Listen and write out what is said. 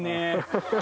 ハハハ。